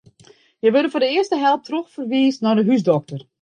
Hja wurde foar de earste help trochferwiisd nei de húsdokter.